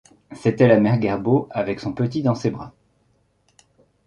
C’était la mère Gerbaud avec son petit dans ses bras.